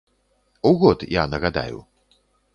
У год, я нагадаю.